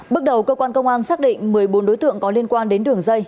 bước đầu cơ quan công an xác định một mươi bốn đối tượng có liên quan đến đường dây